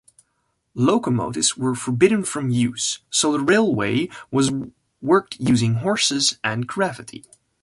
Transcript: Locomotives were forbidden from use, so the railway was worked using horses and gravity.